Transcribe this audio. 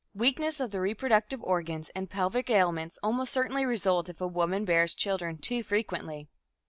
Weakness of the reproductive organs and pelvic ailments almost certainly result if a woman bears children too frequently.